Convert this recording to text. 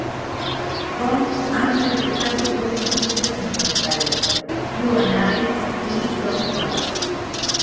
Bom ha interpretado dos sencillos en solitario, "You and I" y "Don't Cry".